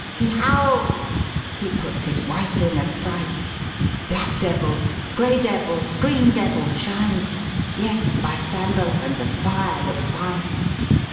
He howls. He puts his wife in a fright. Black devils, grey devils, green devils shine — Yes, by Sambo, And the fire looks fine!